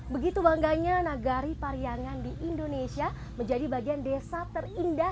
begitu bangganya nagari pariangan di indonesia menjadi bagian desa terindah